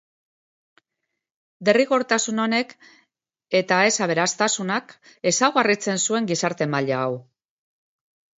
Derrigortasun honek, eta ez aberastasunak, ezaugarritzen zuen gizarte maila hau.